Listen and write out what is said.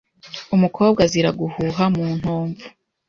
Umukobwa azira guhuha mu ntomvu